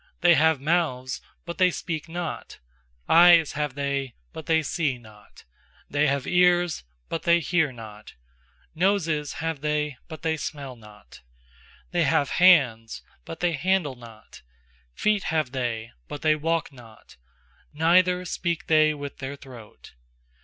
sThey have mouths, but they speak not; Eyes have they, but they see not; 6They have ears, but they hear not; Noses have they, but they smell not; 7They have hands, but they handle not; Feet have they, but they walk not; Neither speak they With their throat.